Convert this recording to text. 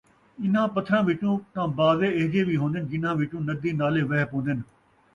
اِنھاں پتھراں وِچوں تاں بعضے اِہجے وِی ہوندن، جنہاں وِچوں ندی نالے وَہ پوندن،